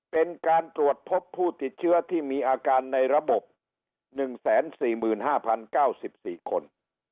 เป็นการตรวจพบผู้ติดเชื้อที่มีอาการในระบบ๑๔๕๐๙๔คน